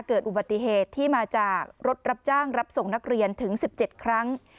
เกิดอุบัติเหตุที่มาจากรถรับจ้างรับส่งนักเรียนถึง๑๗ครั้ง